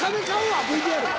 ＶＴＲ。